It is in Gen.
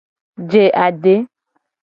Je ade.